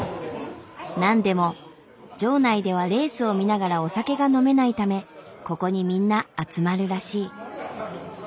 なんでも場内ではレースを見ながらお酒が飲めないためここにみんな集まるらしい。